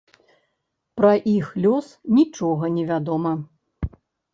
Пра іх лёс нічога невядома.